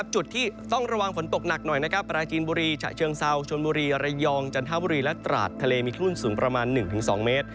จุดที่ต้องระวังฝนตกหนักหน่อยนะครับปราจีนบุรีฉะเชิงเซาชนบุรีระยองจันทบุรีและตราดทะเลมีคลื่นสูงประมาณ๑๒เมตร